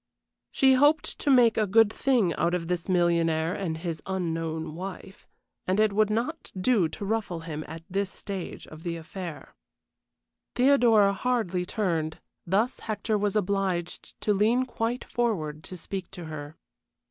She hoped to make a good thing out of this millionaire and his unknown wife, and it would not do to ruffle him at this stage of the affair. Theodora hardly turned, thus Hector was obliged to lean quite forward to speak to her.